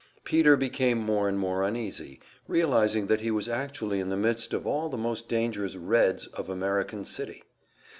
Peter became more and more uneasy, realizing that he was actually in the midst of all the most dangerous "Reds" of American City.